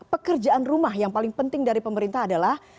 pekerjaan rumah yang paling penting dari pemerintah adalah